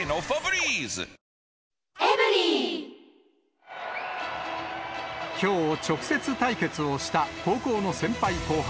製作したのは、きょう、直接対決をした高校の先輩後輩。